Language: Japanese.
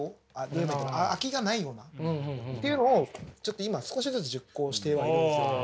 空きがないような。っていうのをちょっと今少しずつ実行してはいるんですよ。